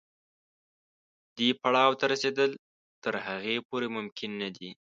دې پړاو ته رسېدل تر هغې پورې ممکن نه دي.